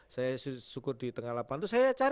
saya syukur di tengah lapangan